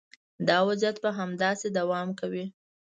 دا وضعیت به همداسې دوام کوي.